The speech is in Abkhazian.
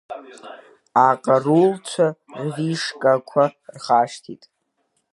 Аҟарулцәа, рвишкақәа рхашҭит.